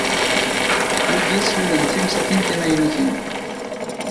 Wigi slulen-d tiwsatin timaynutin.